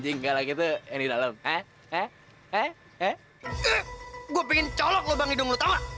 eh tenang dong